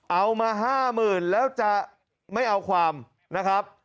เอามา๕๐๐๐แล้วจะไม่เอาความนะครับ